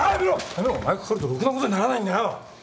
やめろお前が関わるとろくなことにならないんだよ。